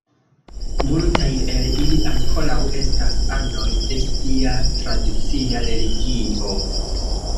Multaj el ili ankoraŭ estas anoj de sia tradicia religio.